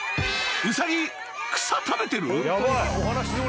ウサギ草食べてる？］